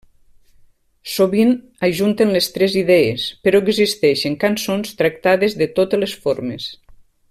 Sovint ajunten les tres idees, però existeixen cançons tractades de totes les formes.